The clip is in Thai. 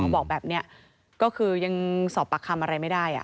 บอกแบบนี้ก็คือยังสอบปากคำอะไรไม่ได้